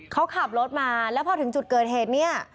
เขาขับรถมาแล้วพอถึงจุดเกิดเหตุเนี่ย